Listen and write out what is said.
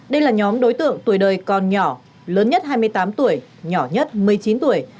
đây là nhóm đối tượng tuổi đời còn nhỏ lớn nhất hai mươi tám tuổi nhỏ nhất một mươi chín tuổi